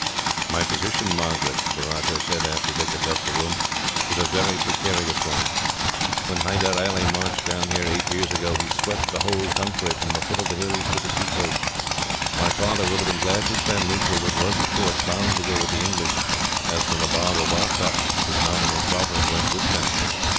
"My position, Margaret," the Rajah said, after Dick had left the room, "is a very precarious one. When Hyder Ali marched down here, eight years ago, he swept the whole country, from the foot of the hills to the sea coast. My father would have been glad to stand neutral, but was, of course, bound to go with the English, as the Nabob of Arcot, his nominal sovereign, went with them.